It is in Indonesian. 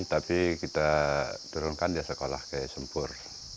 tapi kita turunkan dia sekolah kayak sempur